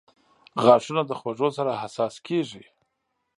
• غاښونه د خوږو سره حساس کیږي.